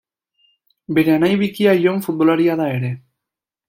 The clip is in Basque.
Bere anai bikia Jon futbolaria da ere.